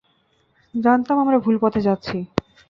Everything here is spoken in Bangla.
জানতাম, আমরা ভুল রাস্তায় যাচ্ছি!